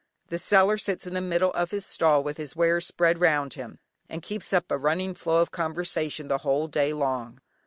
The seller sits in the middle of his stall with his wares spread round him, and keeps up a running flow of conversation the whole day long.